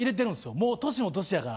もう年も年やから。